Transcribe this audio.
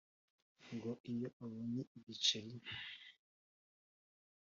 Ngo iyo abonye igiceli